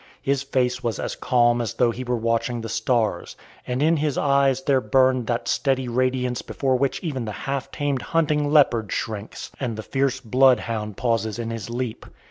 His face was as calm as though he were watching the stars, and in his eyes there burned that steady radiance before which even the half tamed hunting leopard shrinks, and the fierce bloodhound pauses in his leap.